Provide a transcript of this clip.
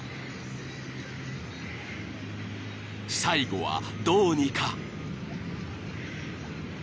［最後はどうにか］